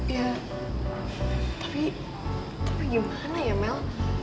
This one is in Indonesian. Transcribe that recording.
ya tapi gimana ya mel